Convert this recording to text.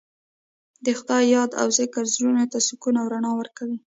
د خدای یاد او ذکر زړونو ته سکون او رڼا ورکوي.